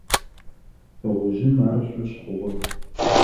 Тыгъужъым ар ышӀошъ хъугъэ.